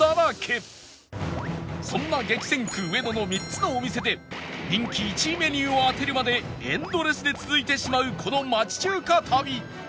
そんな激戦区上野の３つのお店で人気１位メニューを当てるまでエンドレスで続いてしまうこの町中華旅